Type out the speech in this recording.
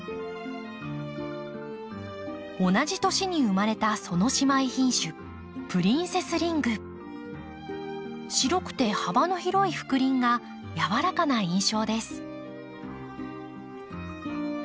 同じ年に生まれたその姉妹品種白くて幅の広い覆輪が柔らかな印象です。